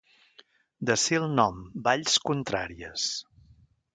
D'ací el nom, valls contràries.